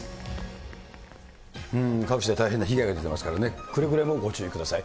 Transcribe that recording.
各地で大変な被害が出てますからね、くれぐれもご注意ください。